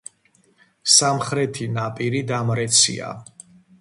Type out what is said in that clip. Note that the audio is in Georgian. სამხრეთი ნაპირი დამრეცია.